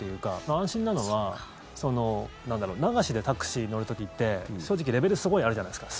安心なのは流しでタクシー乗る時って正直、レベルすごいあるじゃないですか。